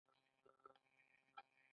دا د داخلي او خارجي واحدونو اړیکې دي.